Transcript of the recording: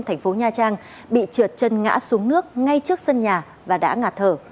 thành phố nha trang bị trượt chân ngã xuống nước ngay trước sân nhà và đã ngạt thở